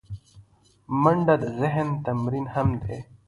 منډه د ذهن تمرین هم دی